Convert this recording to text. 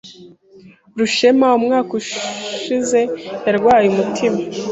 Rushema umwaka ushize yarwaye umutima.